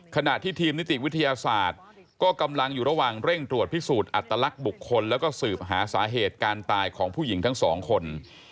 ขณะที่ทีมนิติวิทยาศาสตร์ก็กำลังอยู่ระหว่างเร่งตรวจพิสูจน์อัตลักษณ์บุคคลแล้วก็สืบหาสาเหตุการตายของผู้หญิงทั้งสองคน